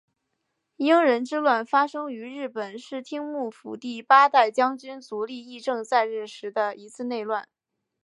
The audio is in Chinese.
应仁之乱发生于日本室町幕府第八代将军足利义政在任时的一次内乱。